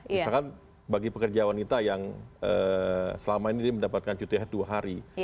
misalkan bagi pekerja wanita yang selama ini mendapatkan cutinya dua hari